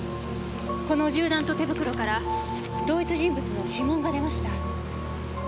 この銃弾と手袋から同一人物の指紋が出ました。